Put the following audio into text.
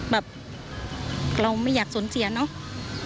แบบเราไม่อยากสูญเสียเนาะ